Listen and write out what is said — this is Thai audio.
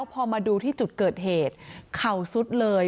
พอมาดูที่จุดเกิดเหตุเข่าสุดเลย